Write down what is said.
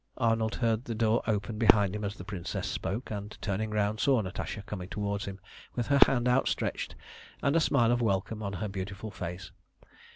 Arnold heard the door open behind him as the Princess spoke, and, turning round, saw Natasha coming towards him with her hand outstretched and a smile of welcome on her beautiful face.